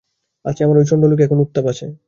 আছে, আমার ঐ চন্দ্রলোকে এখনো উত্তাপ আছে!